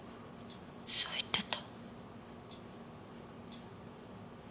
そう言ってた。